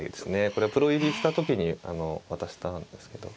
これはプロ入りした時に渡したんですけど。